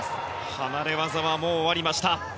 離れ技はもう終わりました。